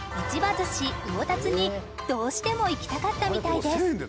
ずし魚辰にどうしても行きたかったみたいです